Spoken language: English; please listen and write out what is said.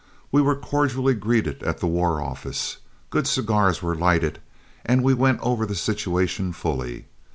We were cordially greeted at the War Office, good cigars were lighted, and we went over the situation fully.